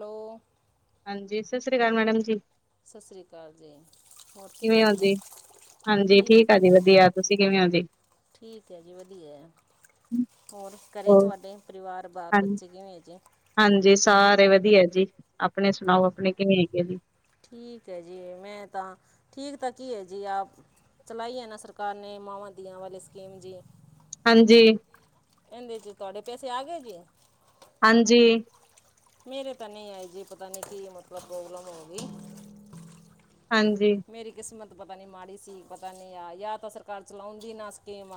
Hello. ਹਾਂਜੀ, ਸ ਸ੍ਰੀ ਕਾਲ ਮੈਡਮ ਜੀ। ਸ ਸ੍ਰੀ ਕਾਲ ਜੀ, ਹੋਰ ਕਿਵੇਂ ਓ ਜੀ? ਹਾਂਜੀ, ਠੀਕ ਆ ਜੀ ਵਧੀਆ‌ ਤੁਸੀਂ ਕਿਵੇਂ ਓ ਜੀ? ਠੀਕ ਐ ਜੀ ਵਧੀਐ, ਹੋਰ ਕਰੇ ਹੋਰ ਤੁਐਡੇ ਪਰਿਵਾਰ ਹਾਂ ਬਾਲ-ਬੱਚੇ ਕਿਵੇਂ ਐ ਜੀੇ? ਹਾਂਜੀ, ਸਾਰੇ ਵਧੀਐ ਜੀ। ਆਪਣੇ ਸੁਣਾਓ ਹੂੰ ਆਪਣੇ ਕਿਵੇਂ ਹੈਗੇ ਆਂ ਜੀ? ਠੀਕ ਐ ਜੀ ਮੈਂ ਤਾਂ, ਠੀਕ ਤਾਂ ਕੀ ਐ ਜੀ ਆਪ ਚਲਾਈ ਐ ਨਾ ਸਰਕਾਰ ਨੇ ਮਾਵਾਂ-ਦੀਆਂ ਵਾਲੇ ਸਕੀਮ ਜੀ। ਹਾਂਜੀ। ਏੰਦੇ ਜੀ ਤੁਆਡੇ ਪੈਸੇ ਆ ਗਏ ਜੀ? ਹਾਂਜੀ। ਮੇਰੇ ਤਾਂ ਨੀ ਆਏ ਜੀ, ਪਤਾ ਨੀ ਕੀ ਮਤਲਬ ਪ੍ਰੋਬਲਮ ਹੋ ਗਈ। ਹਾਂਜੀ ਮੇਰੀ ਕਿਸਮਤ ਪਤਾ ਨੀ ਮਾੜੀ ਸੀ, ਪਤਾ ਨੀ ਆ ਯਾ ਤਾਂ ਸਰਕਾਰ ਚਲਾਉਂਦੀ ਨਾ ਸਕੀਮ।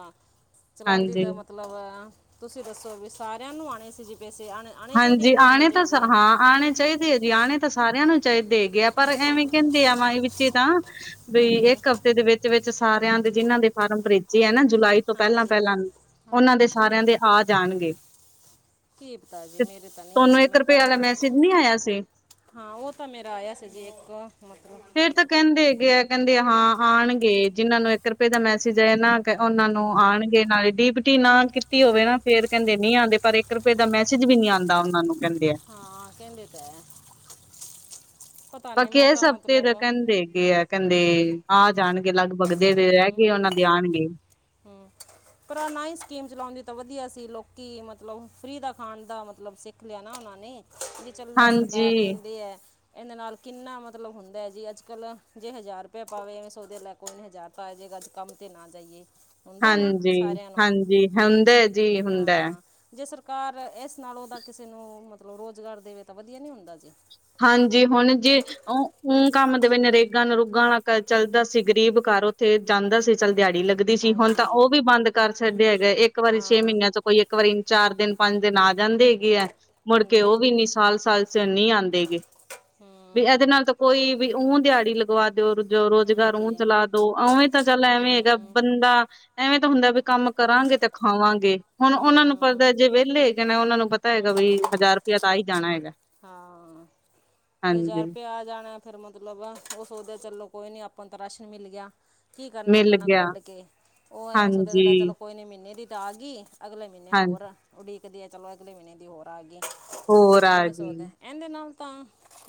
ਚਲਾਉਂਦੀ ਤਾਂ ਹਾਂਜੀ ਮਤਲਬ ਤੁਸੀਂ ਦੱਸੋ ਵੀ ਸਾਰਿਆਂ ਨੂੰ ਆਉਣੇ ਸੀ ਜੀ ਪੇਸੇ ਆਣੇ ਚਾਈਦੇ ਯਾ ਨੀ ਆਣੇ ਤਸ ਹਾਂ। ਚਾਹੀਦੇ ਹਾਂ, ਆਣੇ ਚਾਈਦੇ ਐ ਜੀ ਆਣੇ ਤਾਂ ਸਾਰਿਆਂ ਨੂੰ ਚਾਈਦੇ ਹੈਗੇ ਆ, ਪਰ ਐਵੇਂ ਕੈੰਦੇ ਆ ਮਾਈ ਵਿੱਚ ਤਾਂ ਬਈ ਹਾਂਜੀ ਏਕ ਹਫ਼ਤੇ ਦੇ ਵੇਚ-ਵੇਚ ਸਾਰਿਆਂ ਦੇ ਜਿਨਾਂ ਦੇ ਫਾਰਮ ਭਰੇਜੇ ਐ ਨਾ ਜੁਲਾਈ ਤੋਂ ਹਾਂਜੀ ਪੈਲਾਂ-ਪੈਲਾਂ ਹਾਂ ਓਹਨਾਂ ਦੇ ਸਾਰਿਆਂ ਦੇ ਆ ਜਾਣਗੇ। ਕੀ ਪਤਾ ਜੀ ਤੇ ਮੇਰੇ ਤਾਂ ਨੀ ਤੁਹਾਨੂੰ ਆਏ, ਇੱਕ ਮੈਂ ਰੁਪਏ ਤਾਂ ਵਾਲਾ ਮੈਸੇਜ ਨਹੀਂ ਆਇਆ ਸੀ ਹਾਂ, ਓਹ ਤਾਂ ਮੇਰਾ ਆਇਆ ਸੀ ਜੀ ਇੱਕ ਮਤਲਬ ਫਿਰ ਤਾਂ ਕੈੰਦੇ ਹੈਗੇ ਐ ਕਹਿੰਦੇ ਹਾਂ ਆਣਗੇ ਜਿਹਨਾਂ ਨੂੰ ਇੱਕ ਰੁਪਏ ਦਾ ਮੈਸੇਜ ਆਇਆ ਨਾ ਉਹਨਾਂ ਨੂੰ ਹਾਂਜੀ ਆਣਗੇ, ਨਾਲੇ ਡੀਪਟੀ ਨਾ ਕੀਤੀ ਹੋਵੇ ਨਾ ਫੇਰ ਕਹਿੰਦੇ ਨਹੀ ਆਦੇ ਪਰ ਇੱਕ ਰੁਪਏ ਦਾ ਮੈਸੇਜ ਸੇਜ ਵੀ ਨੀ ਆਉਂਦਾ ਉਹਨਾ ਨੂੰ ਕਹਿੰਦੇ ਆ ਹਾਂ ਕਹਿੰਦੇ ਤਾਂ ਹੈ। ਪਤਾ ਪਰ ਨਹੀਂ ਮੈਂ ਏਸ ਤਾਂ ਹਫ਼ਤੇ ਮਤਲਬ ਦਾ ਕਹਿੰਦੇ ਹੈਗੇ ਆ ਕਹਿੰਦੇ ਆ ਜਾਣਗੇ ਲਗਭਗ ਜਿਹੜੇ ਰਹਿ ਗਏ ਹਮ, ਉਹਨਾਂ ਦੇ ਆਣਗੇ। ਹੂੰ। ਪਰ ਨਾ ਹੀ ਸਕੀਮ ਚਲਾਦੇ ਤਾਂ ਵਧੀਆ ਸੀ, ਲੋਕੀ ਮਤਲਬ ਫ੍ਰੀ ਦਾ ਖਾਣ ਦਾ ਮਤਲਬ ਸਿੱਖ ਲੈਣਾ ੳਹਨੇ ਬਈ ਚੱਲ ਸਰਕਾਰ ਹਾਂਜੀ, ਦਿੰਦੇ ਏ। ਇਹਦੇ ਨਾਲ ਕਿੰਨਾ ਮਤਲਬ ਹੁੰਦਾ ਏ ਜੀ ਅੱਜ ਕੱਲ੍ਹ ਜੇ ਹਜ਼ਾਰ ਰੁਪਇਆ ਪਾਵੇ ਐਵੇਂ ਸ ਉਹਦੇ ਲੈ ਕੋਨੇ ਹਜ਼ਾਰ ਤਾ ਆ ਜਾੇਗਾ ਅੱਜ ਕੰਮ ਤੇ ਨਾ ਜਾਈਏ। ਹੁੰਦਾ ਨਾ ਹਾਂਜੀ, ਸਾਰਿਆਂ ਨੂੰ ਹਾਂਜੀ ਹੁੰਦਾ ਜੀ ਹੁੰਦਾ। ਹਾਂ। ਜੇ ਸਰਕਾਰ ਇਸ ਨਾਲ ਉਹਦਾ ਕਿਸੇ ਨੂੰ ਮਤਲਬ ਰੋਜ਼ਗਾਰ ਦੇਵੇ ਤਾਂ ਵਧੀਆ ਨਹੀਂ ਹੁੰਦਾ ਜੇ। ਹਾਂਜੀ ਹੁਣ ਜੇ ਉਹ ਕੰਮ ਦੇ ਵਿੱਚ ਨਰੇਗਾ ਨਰੂਗਾਾਂ ਵਾਲਾ ਚੱਲਦਾ ਸੀ, ਗਰੀਬ ਘਰ ਉੱਥੇ ਜਾਂਦਾ ਸੀ ਚੱਲ ਦਿਹਾੜੀ ਲੱਗਦੀ ਸੀ ਹੁਣ ਤਾਂ ਹਾਂਜੀ ਉਹ ਵੀ ਬੰਦ ਕਰ ਛੱਡਿਆ ਹੈਗਾ, ਇੱਕ ਵਾਰੀ ਛੇ ਹਾਂ ਮਹੀਨਿਆਂ ਚ ਕੋਈ ਇੱਕ ਵਾਰੀ ਚਾਰ ਦਿਨ ਪੰਜ ਦਿਨ ਆ ਜਾਂਦੇ ਹੈਗੇ ਹੈ, ਮੁੜ ਕੇ ਹਾਂਜੀ ਉਹ ਵੀ ਇੰਨੀ ਸਾਲ ਸਾਲ ਨੀ ਆਉਂਦੇ ਗੇ ਬਈ ਇਹਦੇ ਹੂੰ ਨਾਲ ਤਾਂ ਕੋਈ ਵੀ ਊਹ ਦਿਹਾੜੀ ਲ ਲਵਾ ਦਿਓ ਰ ਰੋਜ਼ਗਾਰ ਹਾਂਜੀ ਚਲਾ ਦੋ ਉਵੇਂ ਤਾਂ ਚੱਲ ਐਵੇਂ ਹੈਗਾ ਹੂੰ ਬੰਦਾ ਐਵੇਂ ਤਾਂ ਹੁੰਦਾ ਵੀ ਕੰਮ ਕਰਾਂਗੇ ਤੇ ਖਾਵਾਂਗੇ, ਹੁਣ ਉਹਨਾਂ ਨੂੰ ਹੂੰ ਪਤਾ ਜੇ ਵਿਹਲੇ ਕਿ ਨਾ ਉਹਨਾਂ ਨੂੰ ਪਤਾ ਪਤਾ ਹੂੰ ਹੈਗਾ ਵੀ ਹਜ਼ਾਰ ਰੁਪਇਆ ਤਾਂ ਹੀ ਜਾਣਾ ਹੈਗਾ। ਹਾਂ ਤੇ ਹਾਂਜੀ ਹਜ਼ਾਰ ਰੁਪਿਆ ਆ ਜਾਣਾ ਫਿਰ ਮਤਲਬ ਉਹ ਸੋਚਦਾ ਚਲੋ ਕੋਈ ਨੀ ਆਪਾਂ ਤਾਂ ਰਾਸ਼ਨ ਮਿਲ ਗਿਆ। ਕੀ ਕਰਨਾ ਮਿਲ ਕਣਕ ਗਿਆ ਵੱਢ ਕੇ ਉਹ ਐਵੇਂ ਸੋਚਿਆ ਚਲਿਆ ਹਾਂਜੀ, ਚਲੋ ਕੋਈ ਨਹੀਂ ਮਹੀਨੇ ਦੀ ਤਾਂ ਆ ਗਈ। ਅਗਲੇ ਮਹੀਨੇ ਹਾਂ ਹੋਰ ਉਡੀਕਦੀ ਆ ਚਲੋ ਅਗਲੇ ਮਹੀਨੇ ਦੀ ਹੋਰ ਆ ਗਈ ਹੋਰ ਆ ਇਵੇਂ ਗਈ ਇਹਦੇ ਨਾਲ ਤਾਂ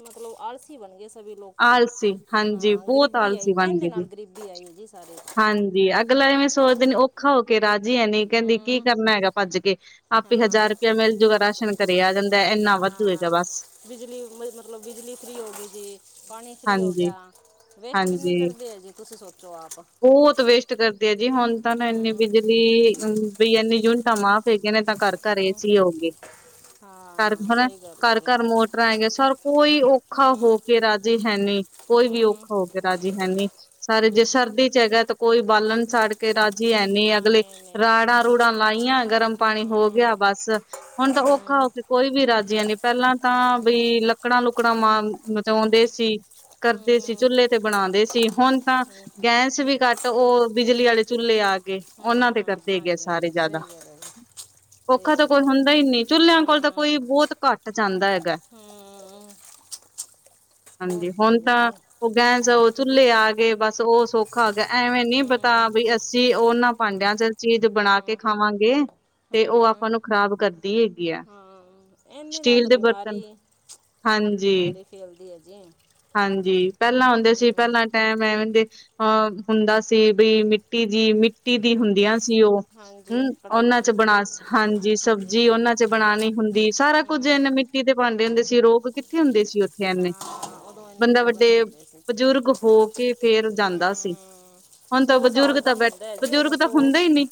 ਮਤਲਬ ਆਲਸੀ ਬਣ ਗਏ ਸਭੀ ਲੋਕ ਆਲਸੀ ਹਾਂਜੀ ਹਾਂ ਬਹੁਤ ਗਰੀਬੀ ਆਈ ਆਲਸੀ ਬਣ ਇਹਨੇ ਗਏ ਜੀ। ਨਾਲ ਗਰੀਬੀ ਆਈ ਹੈ ਜੀ ਸਾਰੇ ਹਾਂਜੀ ਅਗਲਾ ਏਵੇੈਂ ਸੋਚਦੇ ਔਖਾ ਹੋ ਕੇ ਰਾਜੀ ਐਨੀੀ ਕਹਿੰਦੀ ਕਿ ਹੂੰ ਕਰਨਾ ਹੈਗਾ ਭੱਜ ਕੇ ਆਪੇ ਹਾਂ ਹਜ਼ਾਰ ਰੁਪਇਆ ਮਿਲਜੂਗਾ ਰਾਸ਼ਨ ਘਰੇ ਆ ਜਾਂਦਾ ਇੰਨਾ ਵਾਧੂ ਹੈਗਾ ਹਾਂ ਬਸ ਬਿਜਲੀ ਮਤ--ਲਬ ਬਿਜਲੀ ਫ੍ਰਰੀ ਹੋ ਗਈ ਜੀ ਪਾਣੀ ਫ੍ਰੀ ਹੋ ਹਾਂਜੀ। ਗਿਆ ਵੇਸਟ ਕਿੰਨੀ ਹਾਂਜੀ ਕਰਦੇ ਆ ਜੀ ਤੁਸੀਂ ਸੋਚੋ ਆਪ। ਬਹੁਤ ਵੇਸਟ ਕਰਦੇ ਆ ਜੀ ਹੁਣ ਤਾਂ ਇਨੀ ਹੂੰ ਬਿਜਲੀ ਬਈ ਇਨੇ ਯੂਨਿਟਾਂ ਮਾਫ਼ ਹੈਗੇ ਨੇ ਤਾਂ ਘਰ ਘਰੇ ਹੂੰ ਏਸੀਂ ਹੋਗੇ। ਘਰ ਹਾਂ ਹੈਨਾ ਸਹੀ ਗੱਲ ਹੈ ਘਰ ਜੀ -ਘਰ ਮੋਟਰਾਂ ਹੈਗੀਆਂ ਸਰ ਕੋਈ ਔਖਾ ਹੋ ਹੂੰ ਕੇ ਰਾਜੀੇ ਹੈਨੀ। ਕੋਈ ਵੀ ਹੂੰ ਔਖਾ ਹੋ ਗਿਆ ਰਾਜੀ ਹੈਨੀ, ਸਾਰੇ ਜੇ ਸਰਦੀ ਚ ਹੈਗਾ ਤਾਂ ਕੋਈ ਬਾਲਣ ਸਾੜ ਕੇ ਰਾਜੀ ਐਨੀੇ ਨਾ ਅਗਲੇ ਨਹੀਂ ਨਹੀਂ ਰਾੜਾਂ ਰੂੜਾਂ ਲਾਈਆਂ ਗਰਮ ਪਾਣੀ ਹੋ ਗਿਆ ਹੂੰ ਬਸ ਹੁਣ ਤਾਂ ਔਖਾ ਹਮ, ਹੋ ਕੇ ਕੋਈ ਵੀ ਰਾਜੀ ਨੀ ਪਹਿਲਾਂ ਤਾਂ ਹਮ, ਬਈ ਲੱਕੜਾਂ ਲੁੱਕੜਾਂ ਮਾਰ ਮਚਾਉਂਦੇ ਸੀ। ਕਰਦੇ ਸੀ ਹਮ, ਚੁੱਲ੍ਹੇ ਤੇ ਬਣਾਉਂਦੇ ਸੀ ਹੁਣ ਤਾਂ ਗੈਸ ਵੀ ਘੱਟ ਉਹ ਬਿਜਲੀ ਵਾਲੇ ਚੁੱਲੇ ਆ ਕੇ ਉਹਨਾਂ ਤੇ ਹਾਂ ਕਰਦੇ ਹੈਗੇ ਹਾਂਜੀ ਸਾਰੇ ਜ਼ਿਆਦਾ। ਸਹੀ ਗੱਲ ਹੈ ਜੀ ਸਹੀ ਔਖਾ ਤਾਂ ਗੱਲ ਕੋਈ ਹੈ ਹੁੰਦਾ ਹੀ, ਨਹੀਂ ਚੁਲਲਿਆਂ ਕੋਲ ਤਾਂ ਹੂੰ ਕੋਈ ਬਹੁਤ ਘੱਟ ਜਾਂਦਾ ਹੈਗਾ। ਹੂੰ। ਹਾਂਜੀ, ਬਹੁਤ ਹੁਣ ਹੋ ਗਿਆ ਤਾਂ ਜੀ ਉਹ ਗਹਿਸ ਉਹ ਚੁੱਲ੍ਹੇ ਆ ਗਏ, ਬਸ ਉਹ ਸੌਖਾ ਹੋ ਗਿਆ ਐਵੇਂ ਨੀ ਪਤਾ ਹੂੰ ਬਈ ਸੀ ਓਨਾਂ ਪਾਂਡਿਆਂ ਚ ਚੀਜ਼ ਬਣਾ ਕੇ ਹੂੰ ਖਾਵਾਂਗੇ, ਤੇ ਹੂੰ ਓ ਆਪਾਂ ਹੂੰ ਨੂੰ ਖ਼ਰਾਬ ਕਰਦੀ ਹੈਗੀ ਐਂ। ਹਾਂ ਇਹਦੇ ਨਾਲ ਸਟੀਲ ਤਾਂ ਦੇ ਬਰਤਨ, ਬਿਮਾਰੀ ਹਾਂਜੀ। ਜੀਏ। ਹਾਂਜੀ, ਪੈਲਾਂ ਆਉਂਦੇ ਸੀ ਪੈਲਾਂ। ਟੈਮ ਐਵੇ ਦੇ ਅਹ ਹੁੰਦਾ ਸੀ ਬਈ ਮਿੱਟੀ ਜਿ ਮਿ ਟੀ ਦੀ ਹਾਂਜੀ ਹੁੰਦੀਆਂ ਸੀ ਓ ਹਾਂਜੀ ਹੂੰ ਓਨਾਂ ਕੜਾਈਆਂ ਚ ਬਣਾ ਸ ਹਾਂਜੀ ਸਬਜ਼ੀ ਓਨਾਂ ਚ ਬਣਾਣੀ ਹੁੰਦੀ ਸਾਰਾ ਕੁੱਝ ਹਮ, ਏਨੇ ਮਿੱਟੀ ਤੇ‌ ਪਾਂਡੇ ਹੁੰਦੇ ਸੀ ਰੋਗ ਕਿੱਥੇ ਹੁੰਦੇ ਸੀ। ਓਥੇ ਏਨੇ ਹਾਂ ਉਦੋਂ ਇੰਨੇ ਬੰਦਾ ਰੋਗ ਨਹੀਂ ਵੱਡੇ ਹੁੰਦੇ ਸੀ ਬਜ਼ੁਰਗ ਹੋ ਕੇ ਫੇਰ ਜਾਦਾ ਸੀ, ਹਮ ਹੁਣ ਤਾਂ ਸਾਲ ਬਜ਼ੁਰਗ ਤਾਂ ਦਾ ਬੈਠ ਹੁੰਦਾ ਹੈ ਜੀ ਬਜ਼ੁਰਗ ਉਦੋਂ ਤਾਂ ਹੁੰਦੇ ਈ ਨੀ।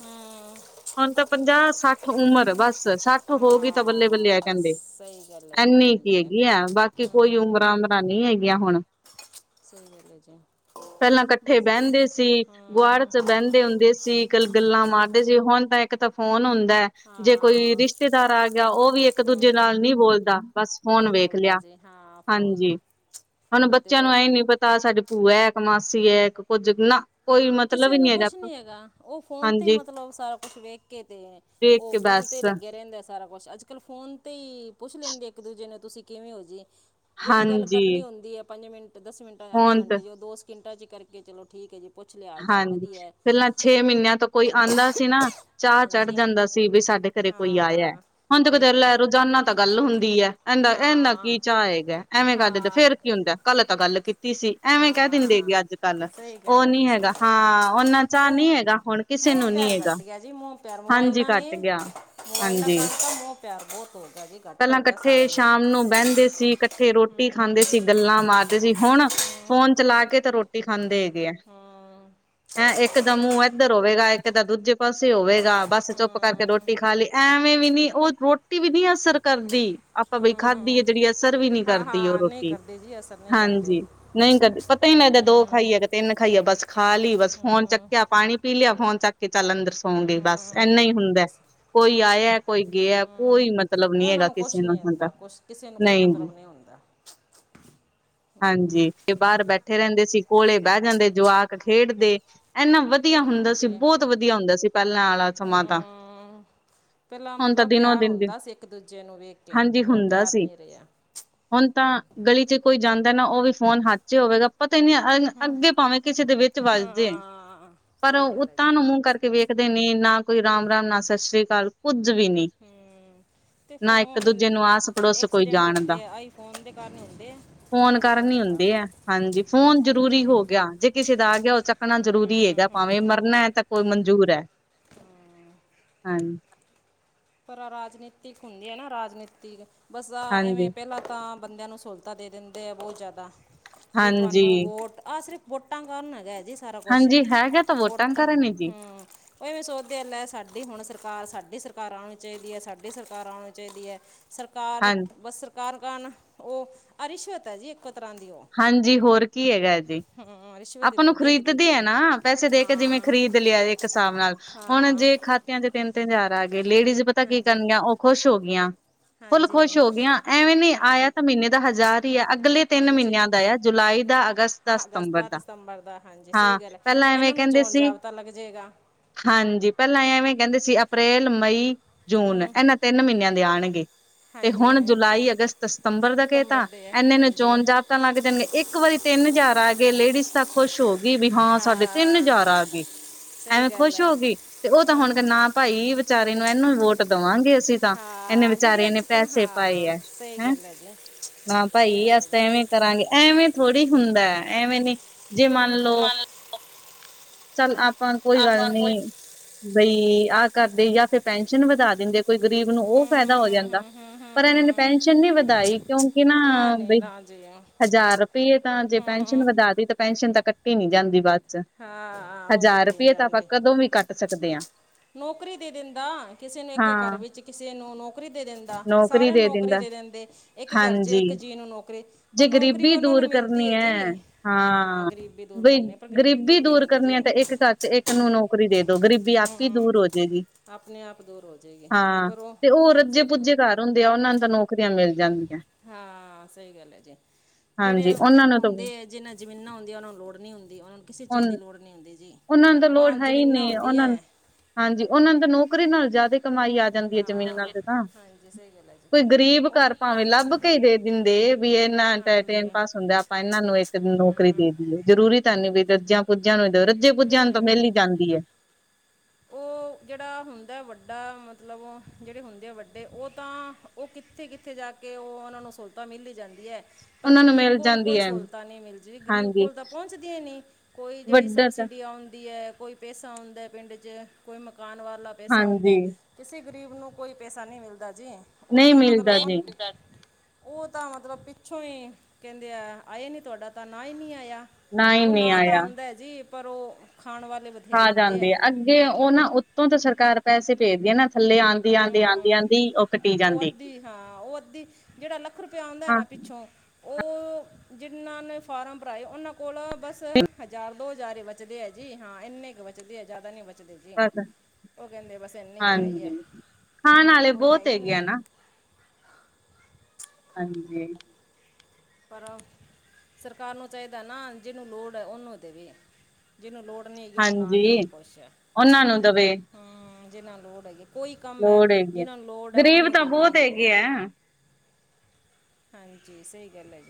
ਹਮ ਹੁਣ ਤਾਂ ਪੰਜਾਹ ਸੱਠ ਉਮਰ ਬਸ ਸੱਠ ਹੋ ਗਈ ਤਾਂ ਬੱਲੇ-ਬੱਲੇ ਹਾਂ ਆ ਬਸ ਕੈਂਦੇ। ਸਹੀ ਗੱਲ ਹੈ ਜੀ ਏਨੀ ਕੀ ਹਾਂਜੀ ਹੈਗੀ ਐ ਬਾਕੀ ਕੋਈ ਹਮ ਉਮਰਾਂ-ਉਮਰਾਂ ਨੀ ਹੈਗੀਆਂ ਹੁਣ। ਸਈ ਗੱਲ ਏ ਜੀ। ਪੈਲਾ ਕੱਠੇ ਬਸ ਬੈਂਦੇ ਸੀ ਗੁਆਰ ਹਮ 'ਚ ਬੈਂਦੇ ਹੁੰਦੇ ਸੀ ਕੱਲ ਗੱਲਾਂ ਹਮ ਮਾਰਦੇ ਜੀ ਹੁਣ ਤਾਂ ਏਕ ਤਾਂ ਫੋਨ ਹੁੰਦਾ ਐ। ਜੇ ਕੋਈ ਹਾਂ ਰਿਸ਼ਤੇਦਾਰ ਆ ਗਿਆ ਓਵੀ ਹਮ ਏਕ-ਦੂਜੇ ਨਾਲ ਨੀ ਬੋਲਦਾ ਬਸ ਫੋਨ ਨਹੀਂ ਵੇਖ ਬੋਲਦਾ ਲਿਆ। ਜੀ ਹਾਂ। ਫੋਨ ਹਾਂਜੀ ਹੁਣ ਫੋਨ ਤੇ ਬੱਚਿਆਂ ਨੂੰ ਉਹ ਐ ਨੀ ਪਤਾ ਸਾਡੀੇ ਭੂਆ ਐ ਕੇ ਮਾਸੀ ਐ ਇਕ ਕੁੱਝ ਨਾ ਕੋਈ ਹਾਂ ਮਤਲਬ ਕਿਸੇ ਹੀ ਨੂੰ ਨਹੀਂ ਕੁਛ ਨੀ ਹੈਗਾ ਓਹ ਫੋਨ ਤੇ ਹਾਂਜੀ ਮਤਲਬ ਸਾਰਾ ਕੁਛ ਵੇਖ ਕੇ ਤੇ ਵੇਖ ਓਹ ਕੇ ਫੋਨ ਬਸ ਤੇ ਈ ਲੱਗੇ ਰੈਂਦੇ ਸਾਰਾ ਕੁਛ ਅੱਜ-ਕੱਲ ਫੋਨ ਤੇ ਈ ਪੁੱਛ ਲੈਦੇ ਏਕ-ਦੂਜੇ ਨੂੰ ਤੁਸੀ ਕਿਵੇ ਹੋ ਜੀ। ਜੇੜੀ ਗੱਲ ਹਾਂਜੀ ਕਰਨੀ ਹੁੰਦੀ ਐ ਪੰਜ ਮਿੰਟ-ਦਸ ਮਿੰਟਾਂ ਜਾਂ ਅੱਧੇ ਫੋਨ ਤੇ ਘੰਟੇ ਓ ਦੋ ਸਕਿੰਟਾਂ 'ਚ ਕਰਕੇ ਚਲੋ ਠੀਕ ਐ ਜੀ। ਪੁੱਛ ਲਿਆ ਹਾਲ ਚਾਲ ਹਾਂਜੀ, ਵਧੀਆ ਹੈ ਪੈਲਾ ਛੇ ਮੀਨਿਆਂ ਤੋ ਕੋਈ ਆਂਦਾ ਸੀ ਨਾ ਚਾਅ ਚੜ ਹਾਂਜੀ ਜਾਦਾ ਸੀ ਵੀ ਸਾਡੇ ਤੇਰੇ ਕੋਈ ਆਯਾ, ਹਾਂ ਹੁਣ ਤੇ ਸਹੀ ਕਤੇ ਰੇ ਗੱਲ ਹੈ ਲੈ ਰੋਜ਼ਾਨਾ ਤਾਂ ਗੱਲ ਹੁੰਦੀ ਐ ਏਦਾ ਏਨਾ ਹਾਂ ਕੀ ਚਾ ਹੈਗਾ। ਐਵੇ ਕਰ ਦਿੰਦੇ ਹਾਂ ਫੇਰ ਕੀ ਹੁੰਦਾ ਕੱਲ ਤਾਂ ਗੱਲ ਕੀਤੀ ਸੀ ਐਵੇ ਕੈ ਦਿੰਦੇ ਹਾਂ ਅੱਜ-ਕੱਲ ਸਹੀ ਓਹ ਗੱਲ ਨੀ ਜੀ ਹੈ ਸਹੀ ਗਾ ਗੱਲ ਹਾਂ ਓਨਾ ਚਾਅ ਉਹ ਨੀ ਹੈਗਾ ਹੁਣ ਕਿਸੇ ਮੋਹ ਨੂੰ ਨੀ ਪਿਆਰ ਹੈਗਾ। ਘਟ ਗਿਆ ਜੀ ਮੋ ਪਿਆਰ ਹਾਂਜੀ ਮੋਬਾਈਲਾਂ ਨੇ। ਘੱਟ ਗਿਆ ਮੋਬਾਇਲਾਂ ਹਾਂਜੀ ਕਰਕੇ ਮੋ ਪਿਆਰ ਬੋਤ ਹੋ ਗਿਆ ਜੀ ਘੱਟ ਪਹਿਲਾਂ ਹੋ ਗਿਆ ਸਾਰਿਆਂ ਨੂੰ ਕੱਠੇ ਰੋਟੀ ਹੂੰ, ਖਾਦੇ ਸੀ ਗੱਲਾਂ ਮਾਰਦੇ ਸੀ ਹੁਣ ਹੂੰ, ਫੋਨ ਚਲਾ ਕੇ ਤਾਂ ਰੋਟੀ ਖਾਦੇ ਹੈਗੇ ਆ। ਹਾਂ। ਹੈਂ ਏਕ ਦਾ ਮੂੰਹ ਏਧਰ ਹੋਵੇਗਾ ਏਕ ਦਾ ਦੂਜੇ ਪਾਸੇ ਹੋਵੇਗਾ। ਬਸ ਚੁੱਪ ਕਰਕੇ ਹੂੰ, ਰੋਟੀ ਖਾ ਲਈ ਐਵੇ ਵੀ ਨੀ ਓਹ ਰੋਟੀ ਵੀ ਨੀ ਅਸਰ ਕਰਦੀ ਆਪਾਂ ਬਸ ਖਾਦੀ ਐ ਹੂੰ। ਜੇੜੀ ਅਸਰ ਵੀ ਨੀ ਹਾਂ ਕਰਦੀ ਓ ਹਾਂ ਨਹੀਂ ਰੋਟੀ। ਕਰਦੇ ਜੀ ਅਸਰ ਨੀ ਕਰਦੇ। ਨਈ ਕਦੇ ਪਤਾ ਈ ਨੀ ਲਗਦਾ ਦੋ ਹੂੰ, ਖਾਈਏ ਤਿੰਨ ਖਾਈਏ ਬਸ ਖਾ ਲਈ ਬਸ ਫੋਨ ਹੂੰ, ਚੱਕਿਆ ਪਾਨੀ ਪੀ ਲਿਆ ਫੋਨ ਚੱਕ ਕੇ ਚੱਲ ਅੰਦਰ ਸੌਗੇ ਬਸ ਏਨਾ ਈ ਹੂੰ, ਹੁੰਦਾ। ਬਸ ਕੋਈ ਆਯਾ, ਕੋਈ ਗਿਆ ਹੂੰ। ਕੋਈ ਮਤਲਬ ਨੀ ਉਹਨਾਂ ਹੈਗਾ ਕਿਸੇ ਕੁਛ ਨੂੰ ਨਹੀਂ ਹੂੰਦਾ ਆਉਂਦਾ ਕੁਛ ਕਿਸੇ ਨੂੰ ਕੋਈ ਨਈ ਜੀ। ਮਤਲਬ ਨਹੀਂ [unintelligible] ਹਾਂਜੀ ਤੇ ਬਾਰ ਬੈਠੇ ਰੈਂਦੇ ਸੀ ਕੋਲੇ ਬੈ ਜਾਦੇ ਜਵਾਕ ਖੇਡਦੇ। ਏਨਾ ਵਧੀਆ ਹੁੰਦਾ ਸੀ ਹਾਂਜੀ ਬੋਤ ਵਧੀਆ ਹੁੰਦਾ ਸੀ ਪੈਲਾ ਆਲਾ ਜਨਾਮਾ ਤਾਂ ਪੈਲਾ ਹੁਣ ਤਾਂ ਮਤਲਬ ਦਿਨੋ ਪਿਆਰ ਦਿਨ ਦਿਨ ਹੁੰਦਾ ਸੀ ਏਕ-ਦੂਜੇ ਨੂੰ ਵੇਖ ਕੇ ਹਾਂਜੀ ਹੁਣ ਓ ਹੁੰਦਾ ਪਿਆਰ ਸੀ ਨੀ ਰਿਆ। ਹੁਣ ਤਾਂ ਗਲੀ 'ਚ ਕੋਈ ਜਾਂਦਾ ਨਾ ਓਵੀ ਫੋਨ ਹੱਥ ਚ ਹੋਵੇਗਾ‌ ਪਤਾ ਈ ਨੀ ਅੱਗੇ ਪਾਵੇਂ ਕਿਸੇ ਦੇ ਵਿੱਚ ਵੱਜ ਜਾਵੇ ਹਾਂ ਪਰ ਸਹੀ ਗੱਲ ਹੈ ਓਤਾਂ ਜੀ ਨੂੰ ਮੂੰਹ ਕਰਕੇ ਵੇਖਦੇ ਨੇ ਕੋਈ ਰਾਮ- ਰਾਮ ਨਾ ਸਤਿ ਸ੍ਰੀ ਅਕਾਲ ਕੁੱਝ ਵੀ ਨੀ। ਹੂੰ। ਤੇ ਨਾ ਇੱਕ ਫ਼ੋਨ ਦੂਜੇ ਨੂੰ ਆਸ ਪੜੋਸ ਕੋਈ ਐਕਸੀਡੈਂਟ ਹੁੰਦੇ ਆ, ਆਈਫੋਨ ਦੇ ਕਾਰਨ ਹੁੰਦੇ ਆ। ਫ਼ੋਨ ਹੋਰ ਕਰਨ ਕਿੰਦੇ ਹੀ ਕਾਰਨ ਹੁੰਦੇ ਆ, ਹਾਂਜੀ ਫ਼ੋਨ ਜ਼ਰੂਰੀ ਹੋ ਗਿਆ ਜੇ ਕਿਸੇ ਦਾ ਆ ਗਿਆ ਉਹ ਚ ਚੱਕਣਾ ਜ਼ਰੂਰੀ ਹੈਗਾ ਭਾਵੇ ਮਰਨਾ ਐ ਤਾਂ ਕੋਈ ਮਨਜ਼ੂਰ ਐ। ਹਾਂ ਪਰ ਰਾਜਨੀਤਿਕ ਹੁੰਦੀ ਐ ਨਾ ਰਾਜਨੀਤਿਕ, ਬਸ ਹਾਂਜੀ ਐਵੇਂ ਪਹਿਲਾ ਤਾਂ ਬੰਦਿਆਂ ਨੂੰ ਸਹੂਲਤਾਂ ਦੇ ਦਿੰਦੇ ਆ ਬਹੁਤ ਜ਼ਿਆਦਾ ਵੀ ਹਾਂਜੀ ਤੁਹਾਨੂੰ ਵੋਟ ਆਹ ਸਿਰਫ ਵੋਟਾਂ ਕਾਰਨ ਹੈਗਾ ਜੀ ਸਾਰਾ ਕੁਸ਼, ਹਾਂਜੀ ਹੈਗਾ ਤਾਂ ਵੋਟਾਂ ਵੋਟਾ ਕਾਰਨ ਹੀ ਜੀ ਹੂੰ ਉਹ ਐਵੇਂ ਸੋਚਦੇ ਆ ਲੈ ਸਾਡੀ ਹੁਣ ਸਰਕਾਰ ਸਾਡੀ ਸਰਕਾਰ ਆਉਣੀ ਚਾਹੀਦੀ ਐ, ਸਾਡੀ ਸਰਕਾਰ ਆਉਣੀ ਚਾਹੀਦੀ ਐ। ਸਰਕਾਰ ਹਾਂ ਬਸ ਸਰਕਾਰ ਕਾਰਨ ਉਹ ਰਿਸ਼ਵਤ ਆ ਜੀ ਇਕ ਤਰ੍ਹਾਂ ਦੀ ਓ। ਹਾਂਜੀ ਹੋਰ ਕੀ ਹੈਗਾ ਜੀ। ਰਿਸ਼ਵਤ ਹੀ ਆਪਾਂ ਨੂੰ ਦਿੰਦੇ ਇੱਕ ਖਰੀਦਦੇ ਦੂਜੇ ਐ ਨੂੰ ਨਾ ਪੈਸੇ ਦੇ ਕੇ ਜਿਵੇ ਹਾਂ ਖਰੀਦ ਲਿਆ ਇਕ ਹਿਸਾਬ ਨਾਲ, ਹੁਣ ਹਾਂ ਜੇ ਖਾ ਖਾਤਿਆਂ ਚ ਤਿੰਨ-ਤਿੰਨ ਹਜਾਰ ਆ ਗਏ, ਲੇਡੀਜ ਪਤਾ ਕੀ ਹਾਂਜੀ ਕਰਨਗੀਆਂ ਉਹ ਖੁਸ਼ ਹੋ ਗਈਆਂ। ਫੁੱਲ ਹਾਂਜੀ ਖੁਸ਼ ਹੋ ਗਈਆਂ, ਐਵੇ ਨੀ ਆਇਆ ਹਾਂਜੀ ਤਾਂ ਮਹੀਨੇ ਦਾ ਹਜ਼ਾਰ ਹੀ ਆ ਅਗਲੇ ਤਿੰਨ ਮਹੀਨਿਆਂ ਹਾਂਜੀ ਦਾ ਆ। ਜੁਲਾਈ ਦਾ ਅਗਸਤ ਦਾ ਹਾਂ ਅਗਸਤ ਸਤੰਬਰ ਦਾ ਤੇ ਸਤੰਬਰ ਦਾ, ਹਾਂਜੀ ਸਹੀ ਹਾਂ ਗੱਲ ਐ ਪਹਿਲਾਂ ਇਹਨਾ ਐਵੇਂ ਨੂੰ ਕਹਿੰਦੇ ਨਚਾਉਣ ਸੀ ਜਾਪ ਤਾਂ ਲੱਗ ਜਾਏਗਾ। ਹਾਂਜੀ ਪਹਿਲਾ ਐਵੇ ਕਹਿਦੇ ਸੀ ਅਪ੍ਰੈਲ, ਮਈ, ਜੂਨ ਹੂੰ ਇਹਨਾਂ ਤਿੰਨ ਮਹੀਨਿਆਂ ਦੇ ਆਉਣਗੇ। ਤੇ ਹਾਂਜੀ ਹੁਣ ਜੁਲਾਈ, ਅਗਸਤ, ਸਤੰਬਰ ਦਾ ਸਤੰਬਰ ਕਹਿਤਾ, ਦੇ ਹੈ, ਐਨੇ ਨੂੰ ਹਾਂਜੀ ਚੋਣ ਜਾਪ ਤਾਂ ਲੱਗ ਜਾਣਗੇ, ਇੱਕ ਵਾਰੀ ਤਿੰਨ ਹਜ਼ਾਰ ਆ ਗਏ ਲੇਡੀਜ਼ ਤਾਂ ਖੁਸ਼ ਹੋ ਗਈ ਵੀ ਹਾਂ ਸਾਡੇ ਤਿੰਨ ਹਜ਼ਾਰ ਆ ਗਏ। ਸਹੀ ਐਵੇਂ ਗੱਲ ਖੁਸ਼ ਹੈ ਹੋ ਗਈ ਤੇ ਉਹ ਤਾਂ ਹੂੰ ਹੁਣ ਕਹ ਨਾ ਭਾਈ ਵਿਚਾਰੇ ਨੂੰ ਐਨੂੰ ਵੋਟ ਦੇਵਾਂਗੇ ਅਸੀਂ। ਤਾਂ ਇਹਨੇ ਹਾਂ ਜਿਹੜੀ ਵਿਚਾਰੇ ਨੇ ਅੱਜ ਕੱਲ ਪੈਸੇ ਪਾਏ ਹਾਂ ਆ, ਸਹੀ ਹੈਂ ਗੱਲ ਹੈ ਜੀ ਨਾ ਸਹੀ ਭਾਈ ਗੱਲ ਹੈ ਅਸੀ ਤਾਂ ਐਵੇਂ ਜੀ ਕਰਾਂਗੇ ਐਵੇਂ ਥੋੜੀ ਹੁੰਦਾ ਐਵੇਂ ਨੀ, ਜੇ ਮੰਨ ਲਓ ਚੱਲ ਆਪਾਂ ਨੂੰ ਕੋਈ ਗੱਲ ਆਪਾਂ ਕੋਈ ਨੀ। ਬਈ ਆਹ ਕਰਦੇ ਜਾਂ ਫਿਰ ਪੈਨਸ਼ਨ ਵਧਾ ਦਿੰਦੇ, ਕੋਈ ਗ਼ਰੀਬ ਨੂੰ ਉਹ ਹੂੰ ਫਾਇਦਾ ਹੋ ਜਾਂਦਾ। ਹੂੰ ਹੂੰ ਹੂੰ ਪਰ ਇਹਨਾਂ ਨੇ ਹੂੰ ਪੈਨਸ਼ਨ ਨਹੀਂ ਵਧਾਈ ਕਿਉਂਕਿ ਨਾ ਨਹੀਂ ਬਈ ਨਾ ਜੀ ਹਜ਼ਾਰ ਰੁਪਈਏ ਤਾਂ ਜੇ ਪੈਨਸ਼ਨ ਹੂੰ ਵਧਾ ਤੀ ਤਾਂ ਪੈਨਸ਼ਨ ਤਾਂ ਕੱਟੀ ਨੀ ਜਾਂਦੀ ਬਾਦ ਅੱਛਾ, ਹਾਂ ਉਹ ਹਜ਼ਾਰ ਕੱਟੇ ਨਹੀਂ ਰੁਪਈਏ ਤਾਂ ਆਪਾਂ ਜਾਂਦੇ ਕਦੋਂ ਵੀ ਕੱਟ ਸਕਦੇ ਆ। ਨੌਕਰੀ ਦੇ ਦਿੰਦਾ, ਕਿਸੇ ਨੂੰ ਇੱਕ ਘਰ ਹਾਂ ਵਿੱਚ ਕਿਸੇ ਨੂੰ ਨੌਕਰੀ ਦੇ ਦਿੰਦਾ, ਨੌਕਰੀ ਸਾਰਿਆਂ ਨੂੰ ਨੌਕਰੀ ਦਿੰਦਾ ਦੇ ਦਿੰਦੇ। ਇੱਕ ਘਰ ਚ ਹਾਂਜੀ ਇੱਕ ਜੀਅ ਨੂੰ ਨੌਕਰੀ, ਪਰ ਜੇ ਨੌਕਰੀ ਗ਼ਰੀਬੀ ਉਹਨਾਂ ਨੂੰ ਦੂਰ ਮਿਲਦੀ ਕਰਨੀ ਏ ਹੈ ਜੀ, ਹਾਂ। ਗਰੀਬੀ ਦੂਰ ਕਰਨੀ, ਪਰ ਗਰੀਬੀ ਗਰੀਬੀ ਨਹੀਂ ਦੂਰ ਹੁੰਦੀ ਜੀ ਕਰਨੀ ਆ ਤੇ ਇੱਕ ਘਰ ਚ ਇੱਕ ਨੂੰ ਨੌਕਰੀ ਦੇ ਦੋ, ਗਰੀਬੀ ਆਪੇ ਹੀ ਦੂਰ ਹੋ ਜੇਗੀ। ਅਪਣੇ ਆਪ ਦੂਰ ਹੋ ਜਾਏਗੀ, ਪਰ ਉਹ ਫੇਰ ਕੁਝ ਈ ਘਰ ਹੁੰਦੇ ਆ ਉਹਨਾਂ ਨੇ ਤੈਨੂੰ ਹਾਂ ਸਹੀ ਗੱਲ ਐ ਜੀ, ਜਿਹੜੇ ਹਾਂਜੀ ਉਹਨਾਂ ਨੂੰ ਤਾਂ ਹੁੰਦੇ ਏ ਜਿਹਨਾਂ ਜ਼ਮੀਨਾਂ ਹੁੰਦੀਆਂ ਉਹਨਾਂ ਨੂੰ ਲੋੜ ਨਹੀਂ ਹੁੰਦੀ, ਉਹਨਾਂ ਨੂੰ ਕਿਸੇ ਚੀਜ਼ ਉਨ ਦੀ ਲੋੜ ਨਹੀਂ ਹੁੰਦੀ ਜੀ, ਤਾਂ ਲੋੜ ਉਹਨਾਂ ਨੂੰ ਹੈ ਹੀ ਜ਼ਮੀਨਾਂ ਨਹੀਂ ਹੁੰਦੀ ਉਹਨਾਂ ਨੂੰ ਐ। ਹਾਂਜੀ ਉਹਨਾਂ ਨੂੰ ਤੇ ਨੌਕਰੀ ਨਾਲ ਜ਼ਿਆਦਾ ਕਮਾਈ ਆ ਜਾਂਦੀ ਆ ਹਾਂ ਜ਼ਮੀਨਾਂ ਤੇ ਤਾਂ, ਹਾਂਜੀ ਸਹੀ ਗੱਲ ਹੈ ਜੀ ਕੋਈ ਗਰੀਬ ਉਹ ਘਰ ਭਾਵੇਂ ਲੱਭ ਕੇ ਦੇ ਦਿੰਦੇ ਵੀ ਇਹਨਾਂ ਹਾਂਜੀ ਟਾਈਮ ਪਾਸ ਹੁੰਦਾ, ਆਪਾਂ ਇਹਨਾਂ ਨੂੰ ਇੱਕ ਦਿਨ ਨੂੰ ਹੂੰ ਜ਼ਰੂਰੀ ਤਾਂ ਨੀ ਵੀ ਰੱਜਿਆ ਪੁੱਜਿਆ ਨੂੰ ਦੋ, ਰੱਜਿਆ ਪੁੱਜਿਆ ਨੂੰ ਤਾਂ ਮਿਲ ਹੀ ਜਾਂਦੀ ਐ। ਓ ਜਿਹੜਾ ਹੁੰਦਾ ਵੱਡਾ ਮਤਲਬ ਜਿਹੜੇ ਹੁੰਦੇ ਵੱਡੇ ਓ ਤਾਂ ਉਹ ਕਿੱਥੇ-ਕਿੱਥੇ ਜਾ ਕੇ ਉਹ ਉਹਨਾਂ ਨੂੰ ਸਹੂਲਤਾਂ ਮਿਲ ਹੀ ਜਾਂਦੀ ਐ। ਪਰ ਉਹਨਾਂ ਨੂੰ ਗਰੀਬ ਮਿਲ ਕੋਲ ਜਾਂਦੀ ਕੋਈ ਹੈ ਸਹੂਲਤਾਂ ਨਹੀਂ ਮਿਲਦੀ, ਗਰੀਬ ਹਾਂਜੀ ਕੋਲ ਤਾਂ ਪਹੁੰਚਦੀਆਂ ਨਹੀ। ਕੋਈ ਜਿਹੜੀ ਵੱਡਾ ਤਾਂ ਸਬਸਿਡੀ ਆਉਂਦੀ ਐ, ਕੋਈ ਪੈਸਾ ਆਉਦਾ ਪਿੰਡ ਚ, ਕੋਈ ਮਕਾਨ ਵਾਲਾ ਪੈਸਾ ਆਉਂਦਾ। ਹਾਂਜੀ ਕਿਸੀ ਗ਼ਰੀਬ ਨੂੰ ਕੋਈ ਪੈਸਾ ਨਹੀ ਮਿਲਦਾ ਜੀ, ਉਹ ਨਹੀਂ ਤਾਂ ਮਤਲਬ, ਮਿਲਦਾ ਨਹੀਂ ਜੀ ਮਿਲਦਾ। ਉਹ ਤਾਂ ਮਤਲਬ ਪਿੱਛੋਂ ਹੀ ਕਹਿੰਦੇ ਆ ਆਏ ਨਹੀਂ, ਤੁਹਾਡਾ ਤਾਂ ਨਾਂ ਹੀ ਨਹੀਂ ਆਇਆ। ਨਾ ਹੀ ਉਹ ਨਹੀਂ ਨਾਂ ਤਾਂ ਆਇਆ ਆਉਂਦਾ ਹੈ ਜੀ, ਪਰ ਉਹ ਖਾਣ ਵਾਲੇ ਬਥੇਰੇ ਖਾ ਹੁੰਦੇ ਜਾਂਦੇ ਆ ਹੈ ਅੱਗੇ ਉਹ ਨਾ ਉਤੋਂ ਤਾਂ ਸਰਕਾਰ ਪੈਸੇ ਭੇਜਦੀ ਹੈ ਨਾ ਥੱਲੇ ਆਉਂਦੀ ਆਉਂਦੀ ਆਉਂਦੀ ਹੂੰ ਆਉਂਦੀ ਕੱਟੀ ਉਹ ਜਾਂਦੀ ਅੱਧੀ ਹਾਂ ਉਹ ਅੱਧੀ ਜਿਹੜਾ ਲੱਖ ਰੁਪਆ ਆਉਂਦਾ ਹਾਂ ਨਾ ਪਿ ਛੋਂ ਉਹ ਜਿੰਨਾਂ ਨੇ ਫਾਰਮ ਭਰਾਏ ਉਹਨਾਂ ਕੋਲ ਬਸ ਹਜ਼ਾਰ ਦੋ ਹਜ਼ਾਰ ਹੀ ਬਚਦੇ ਹੈ ਜੀ ਹਾਂ ਇੰਨੇ ਕੁ ਬ ਬਚਦੇ ਆ ਜ਼ਿਆਦਾ ਨੀ ਬਚਦੇ ਜੀ ਬਸ ਉਹ ਕਹਿੰਦੇ ਬਸ ਇੰਨੇ ਹੀ ਹੈ ਹੀ ਹਾਂਜੀ ਹੈ। ਖਾਣ ਆਲੇ ਕੋਈ ਹੈ ਬਹੁਤ ਹੀ ਹੈਗੇ ਨਹੀਂ ਆ ਨਾ। ਹਾਂਜੀ। ਪਰ ਸਰਕਾਰ ਨੂੰ ਚਾਹੀਦਾ ਨਾ ਜਿਹਨੂੰ ਲੋੜ ਹੈ ਉਹਨੂੰ ਦੇਵੇ। ਜਿਹਨੂੰ ਲੋੜ ਨਹੀਂ ਹੈਗੀ ਉਹਨੂੰ ਨਾ ਹਾਂਜੀ ਦੇਵੇ ਕੁਛ, ਉਹਨਾਂ ਨੂੰ ਦਵੇ ਹੂੰ ਜਿਹਨਾਂ ਨੂੰ ਲੋੜ ਹੈਗੀ ਕੋਈ ਕੰਮ ਹੈ ਲੋੜ ਹੈਗੀ ਆ ਜਿਹਨੂੰ ਲੋੜ ਹੈ ਗ਼ਰੀਬ ਉਹਨੂੰ ਤਾਂ ਦੇਵੇ ਬਹੁਤ ਹੈਗੇ ਆ ਹਾਂਜੀ, ਸਹੀ ਗੱਲ ਹੈ ਜੀ।